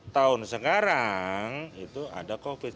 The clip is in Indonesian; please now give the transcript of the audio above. tahun sekarang itu ada covid